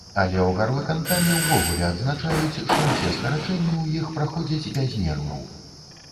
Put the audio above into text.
Але ў гарвыканкаме ўвогуле адзначаюць, што ўсе скарачэнні ў іх праходзяць без нерваў.